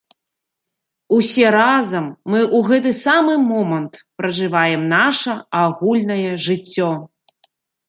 Усе разам мы ў гэты самы момант пражываем наша агульнае жыццё.